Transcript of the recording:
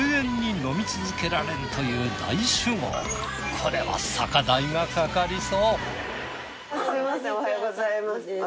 これは初めましておはようございます。